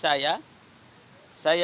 saya izin menyampaikan